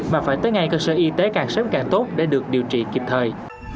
mà phải tới ngay cơ sở y tế càng sớm càng tốt để được điều trị kịp thời